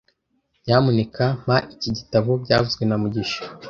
Nyamuneka mpa iki gitabo byavuzwe na mugisha